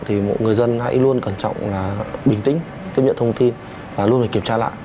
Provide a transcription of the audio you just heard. thì mỗi người dân hãy luôn cẩn trọng là bình tĩnh tiếp nhận thông tin và luôn phải kiểm tra lại